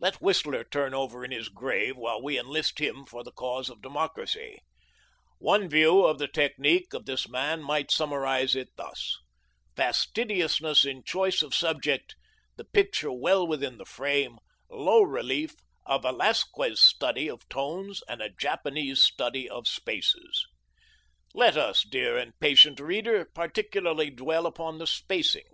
Let Whistler turn over in his grave while we enlist him for the cause of democracy. One view of the technique of this man might summarize it thus: fastidiousness in choice of subject, the picture well within the frame, low relief, a Velasquez study of tones and a Japanese study of spaces. Let us, dear and patient reader, particularly dwell upon the spacing.